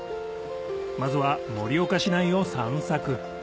まずは盛岡市内を散策